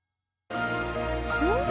うん？